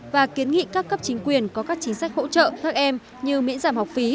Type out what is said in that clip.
và kiến nghị các cấp chính quyền có các chính sách hỗ trợ các em như miễn giảm học phí